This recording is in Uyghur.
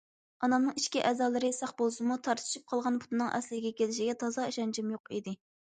ئانامنىڭ ئىچكى ئەزالىرى ساق بولسىمۇ، تارتىشىپ قالغان پۇتىنىڭ ئەسلىگە كېلىشىگە تازا ئىشەنچىم يوق ئىدى.